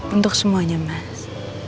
untuk semuanya mas